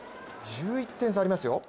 １１点差ありますよ。